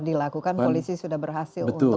dilakukan polisi sudah berhasil untuk